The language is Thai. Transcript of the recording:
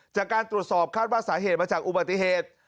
จากการตรวจสอบคาดว่าสาเหตุมาจากอุบัติเหตุ